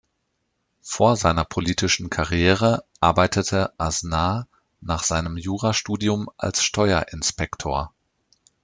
Vor seiner politischen Karriere arbeitete Aznar nach seinem Jurastudium als Steuerinspektor.